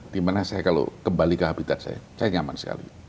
dimana saya kalau kembali ke habitat saya saya nyaman sekali